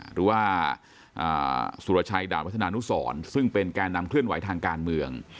หรือว่าสุรชัยดาบวัฒนานุสรซึ่งเป็นแก่นำเคลื่อนไหวทางการเมือง